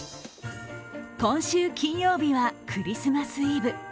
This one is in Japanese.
今週金曜日はクリスマスイブ。